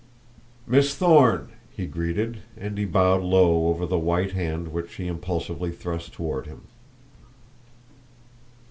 "Miss Thorne!" he greeted, and he bowed low over the white hand which she impulsively thrust toward him.